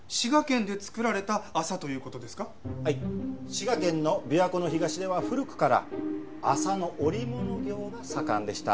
滋賀県の琵琶湖の東では古くから麻の織物業が盛んでした。